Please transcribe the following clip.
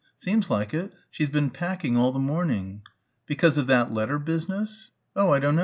"Seems like it she's been packing all the morning." "Because of that letter business?" "Oh, I dunno.